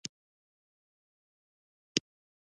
اسپانوي متل وایي ښه ژوند خپله نصیحت دی.